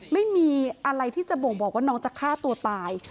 ไม่มีอะไรที่จะบ่งบอกว่าน้องจะฆ่าตัวตาย